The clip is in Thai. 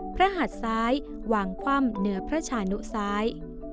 หัดซ้ายวางคว่ำเหนือพระชานุซ้าย